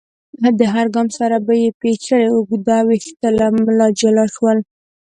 له هر ګام سره به يې پيچلي اوږده ويښته له ملا جلا شول.